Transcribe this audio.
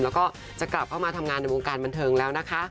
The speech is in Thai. แล้วก็จะกลับเข้ามาทำงานในวงการบันเทิงแล้วนะคะ